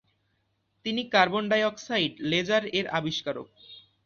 তিনি carbon dioxide laser এর আবিষ্কারক।